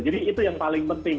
jadi itu yang paling penting